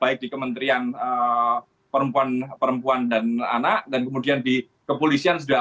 baik di kemenerian perempuan perempuan dan anak dan kemudian di kepolisian sudah ada